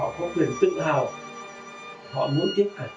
họ muốn tiếp cả truyền thống và lý tưởng của những thế hệ trước